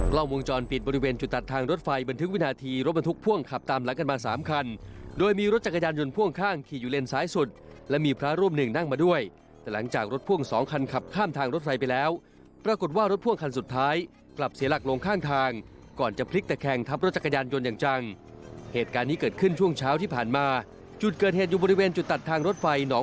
กล้องวงจรปิดบริเวณจุดตัดทางรถไฟบันทึกวินาทีรถบรรทุกพ่วงขับตามหลังกันมาสามคันโดยมีรถจักรยานยนต์พ่วงข้างขี่อยู่เลนสายสุดและมีพระร่วมหนึ่งนั่งมาด้วยแต่หลังจากรถพ่วงสองคันขับข้ามทางรถไฟไปแล้วปรากฏว่ารถพ่วงคันสุดท้ายกลับเสียหลักลงข้างทางก่อนจะพลิกแต่แข่งทัพรถ